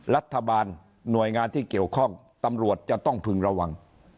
รัฐบาลหน่วยงานที่เกี่ยวข้องตำรวจจะต้องพึงระวัง